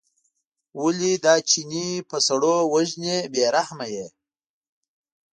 ولې دا چینی په سړو وژنې بې رحمه یې.